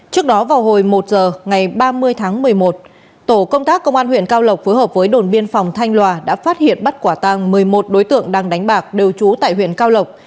trước đó vào hồi một h ngày ba mươi tháng một mươi một tổ công tác công an huyện cao lộc phối hợp với đồn biên phòng thanh lòa đã phát hiện bắt quả tăng một mươi một đối tượng đang đánh bạc đều trú tại huyện cao lộc